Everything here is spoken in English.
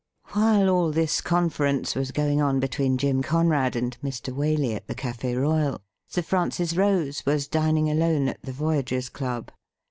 While all this conference was going on between Jim Conrad and Mr. Waley at the Cafe Royal, Sir Francis Rose was dining alone at the Voyagers' Club.